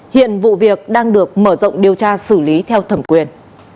hiện vụ việc đang được mở rộng điều tra xử lý theo thẩm quyền